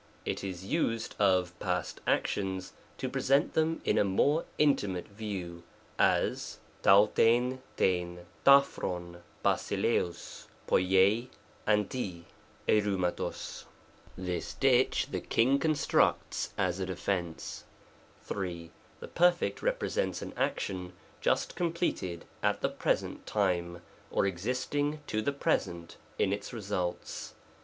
It is used of past actions to present them in a more intimate view ; as, ravrriv Tfiv TUCfjQOv ^aacXtv^ noctt dvrl eQif/uaTO^y " this ditch the king constructs — as a defence." 3. The Perf. represents an action just completed at the present time, or existing to the present in its re sults.